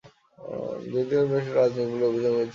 যদিও তিনি বিষয়টি রাজনৈতিক বলে অভিহিত করেছেন।